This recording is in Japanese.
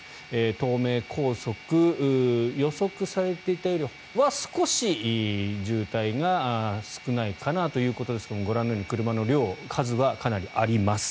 東名高速予測されていたよりは少し渋滞が少ないかなということですがご覧のように車の量、数はかなりあります。